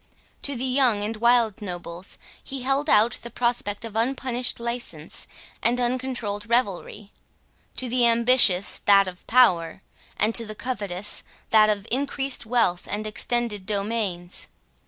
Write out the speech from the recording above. To the young and wild nobles, he held out the prospect of unpunished license and uncontrolled revelry; to the ambitious, that of power, and to the covetous, that of increased wealth and extended domains.